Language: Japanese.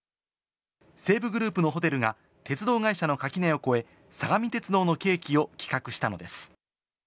西武グループのホテルが鉄道会社の垣根を越え、相模鉄道のケーキを企画したのです。